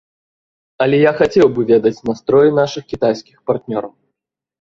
Але я хацеў бы ведаць настроі нашых кітайскіх партнёраў.